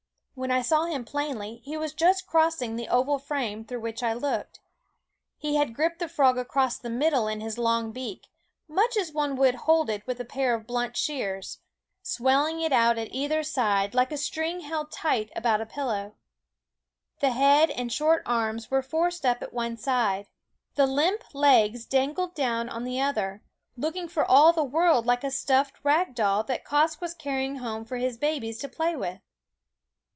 When I saw him plainly he was just crossing the oval frame through which I looked. He had gripped the frog across the middle in his long beak, much as one would hold it with a pair of blunt shears, swelling it out at either 1 7 6 Quoskh Keen Eyed W SCffOOL OF side, like a string tied tight about a pillow. The head and short arms were forced up at one side, the limp legs dangled down on the other, looking for all the world like a stuffed rag doll that Quoskh was carrying home for his babies to play with.